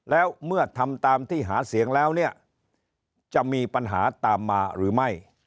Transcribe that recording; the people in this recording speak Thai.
แล้วเมื่อทำตามที่หาเสียงแล้วเนี่ยจะมีปัญหาตามมาหรือไม่